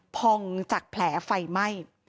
พองจากแผลไฟไหม้